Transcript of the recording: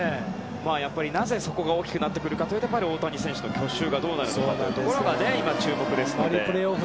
なぜそこが大きくなってくるかというと大谷選手の去就がどうなるか今、注目ですね。